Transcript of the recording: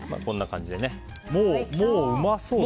もううまそう。